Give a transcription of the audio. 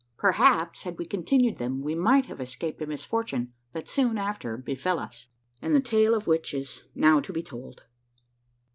Perhaps had we continued them, we might have escaped a misfortune that soon after befell us; and the tale of which is now to be told.